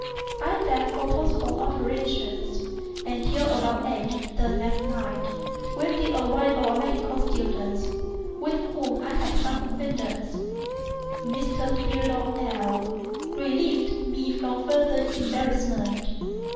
I therefore postponed operations until about eight the next night, when the arrival of a medical student with whom I had some acquaintance, (Mr. Theodore L—l,) relieved me from farther embarrassment.